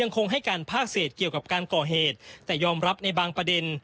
คงให้การภาคเศษเกี่ยวกับการก่อเหตุแต่ยอมรับในบางประเด็น